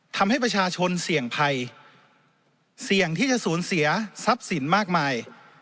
ทำให้ประชาชนเสี่ยงภัยเสี่ยงที่จะสูญเสียทรัพย์สินมากมาย